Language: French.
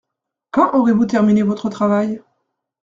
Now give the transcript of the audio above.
Quand aurez-vous terminé votre travail ?